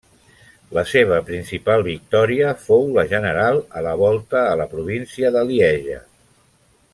La seva principal victòria fou la general a la Volta a la província de Lieja.